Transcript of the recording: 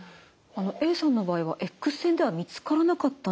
Ａさんの場合はエックス線では見つからなかったんですよね。